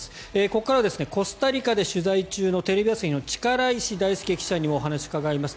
ここからはコスタリカで取材中のテレビ朝日の力石大輔記者にもお話を伺います。